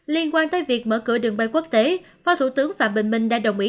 liên quan tới việc mở cửa đường bay quốc tế phó thủ tướng phạm bình minh đã đồng ý